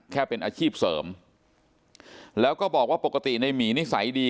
แค่เป็นอาชีพเสริมแล้วก็บอกว่าปกติในหมีนิสัยดี